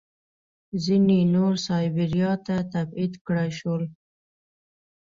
ځینې نور سایبیریا ته تبعید کړای شول